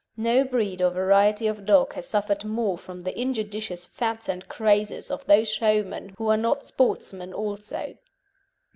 No breed or variety of dog has suffered more from the injudicious fads and crazes of those showmen who are not sportsmen also.